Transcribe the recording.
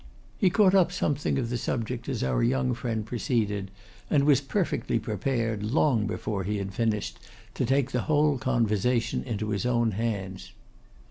He caught up something of the subject as our young friend proceeded, and was perfectly prepared, long before he had finished, to take the whole conversation into his own hands.